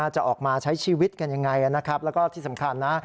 จะออกมาใช้ชีวิตกันยังไงนะครับแล้วก็ที่สำคัญนะ